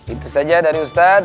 itu saja dari ustadz